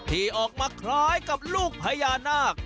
ที่ออกมาคล้ายกับลูกพญานาค